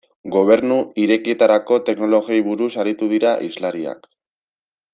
Gobernu Irekietarako teknologiei buruz aritu dira hizlariak.